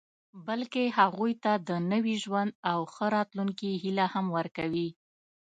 بلکې هغوی ته د نوي ژوند او ښه راتلونکي هیله هم ورکوي